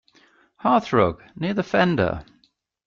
Hearthrug, near the fender.